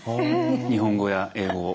日本語や英語を。